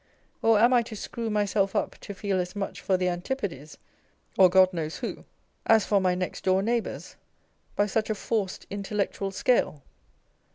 Or am I to screw myself up to feel as much for the Antipodes (or God knows who) as for my next door neighbours, by such a forced intellectual scale